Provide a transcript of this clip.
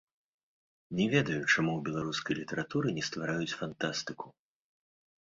Не ведаю, чаму ў беларускай літаратуры не ствараюць фантастыку.